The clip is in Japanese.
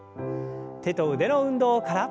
手と腕の運動から。